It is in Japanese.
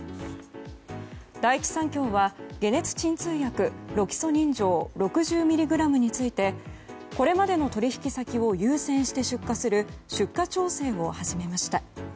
第一三共は解熱鎮痛薬ロキソニン錠６０ｍｇについてこれまでの取引先を優先して出荷する出荷調整を始めました。